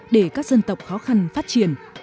để các dân tộc khó khăn phát triển